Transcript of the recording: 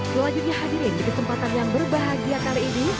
selanjutnya hadirin di kesempatan yang berbahagia kali ini